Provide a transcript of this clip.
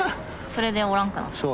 それでおらんくなった？